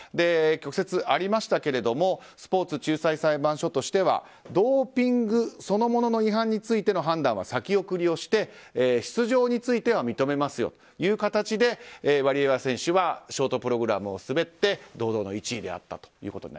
曲折ありましたがスポーツ仲裁裁判所としてはドーピングそのものの違反の判断は先送りをして出場については認めますよという形でワリエワ選手はショートプログラムを滑って堂々の１位でありました。